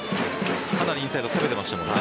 かなりインサイド攻めてましたもんね。